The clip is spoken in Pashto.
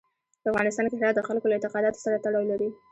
په افغانستان کې هرات د خلکو له اعتقاداتو سره تړاو لري.